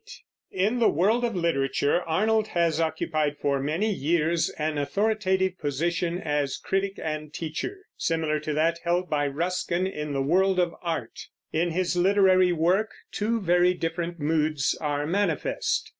MATTHEW ARNOLD (1822 1888) In the world of literature Arnold has occupied for many years an authoritative position as critic and teacher, similar to that held by Ruskin in the world of art. In his literary work two very different moods are manifest.